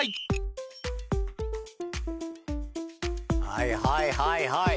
はいはいはいはい。